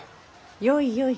よいよい。